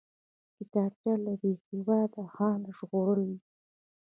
کتابچه له بېسواده ځان ژغورل دي